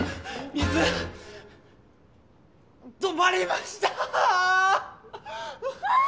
み水止まりました！！